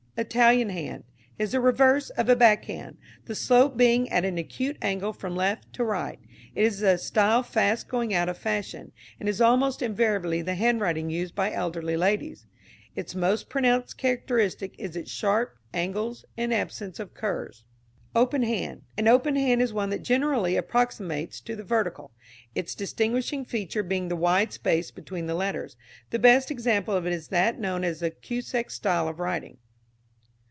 Italian Hand is the reverse of a back hand, the slope being at an acute angle from left to right. It is a style fast going out of fashion, and is almost invariably the handwriting used by elderly ladies. Its most pronounced characteristic is its sharp angles and absence of curves. Open Hand. An open hand is one that generally approximates to the vertical, its distinguishing feature being the wide space between the letters. The best example of it is that known as the Cusack style of writing.